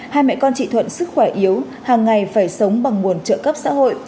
hai mẹ con chị thuận sức khỏe yếu hàng ngày phải sống bằng nguồn trợ cấp xã hội